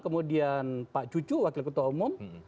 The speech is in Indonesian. kemudian pak cucu wakil ketua umum